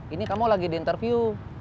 ini kamu lagi di interview